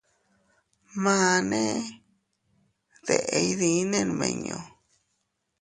Mane, ¿deʼe iydinne nmiñu?.